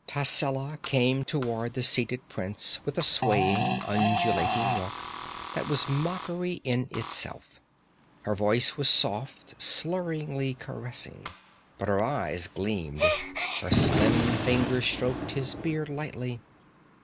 Tascela came toward the seated prince with a swaying, undulating walk that was mockery in itself. Her voice was soft, slurringly caressing, but her eyes gleamed. Her slim fingers stroked his beard lightly.